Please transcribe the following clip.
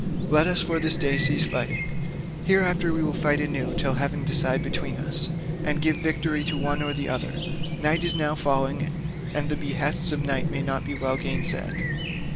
Let us for this day cease fighting; hereafter we will fight anew till heaven decide between us, and give victory to one or to the other; night is now falling, and the behests of night may not be well gainsaid.